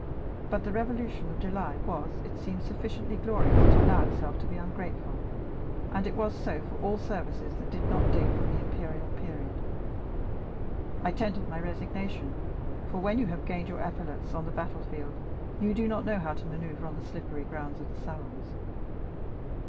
But the Revolution of July was, it seems, sufficiently glorious to allow itself to be ungrateful, and it was so for all services that did not date from the imperial period. I tendered my resignation, for when you have gained your epaulets on the battle field, you do not know how to manœuvre on the slippery grounds of the salons.